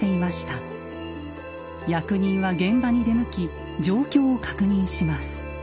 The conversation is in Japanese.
役人は現場に出向き状況を確認します。